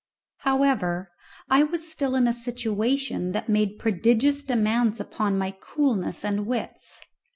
However, I was still in a situation that made prodigious demands upon my coolness and wits.